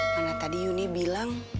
mana tadi yuni bilang